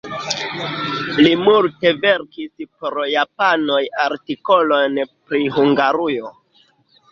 Li multe verkis por japanoj artikolojn pri Hungarujo.